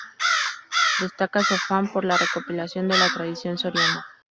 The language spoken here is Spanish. Destaca su afán por la recopilación de la tradición soriana.